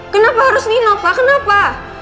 kenapa harus minum pak kenapa